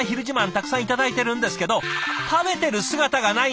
たくさん頂いてるんですけど食べてる姿がないんです。